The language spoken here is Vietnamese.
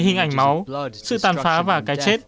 hình ảnh máu sự tàn phá và cái chết